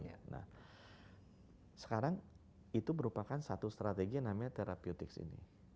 nah sekarang itu merupakan satu strategi namanya therapeutik ini